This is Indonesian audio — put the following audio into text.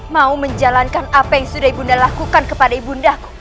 mau menjalankan apa yang sudah ibu nda lakukan kepada ibu ndaku